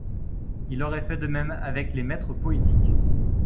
Il aurait fait de même avec les mètres poétiques.